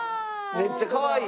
めっちゃかわいい。